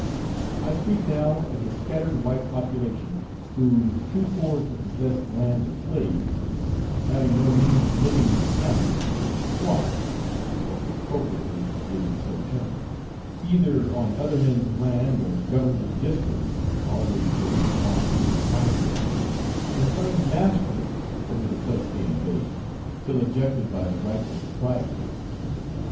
I speak now of the scattered white population, who, too poor to possess land or slaves, and having no means of living in the towns, squat (most appropriately is it so termed) either on other men's land or government districts always here swamp or pine barren and claim masterdom over the place they invade, till ejected by the rightful proprietors.